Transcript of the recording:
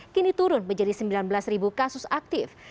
kini turun menjadi sembilan belas kasus aktif